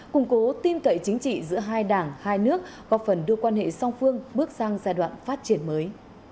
củng cố tin cậy chính trị giữa hai đảng hai nước góp phần đưa quan hệ song phương bước sang giai đoạn phát triển mới